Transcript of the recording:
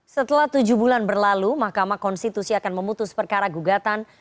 setelah tujuh bulan berlalu mahkamah konstitusi akan memutus perkara gugatan